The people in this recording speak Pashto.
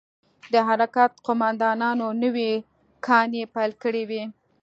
د حرکت قومندانانو نوې کانې پيل کړې وې.